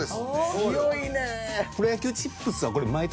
強いね。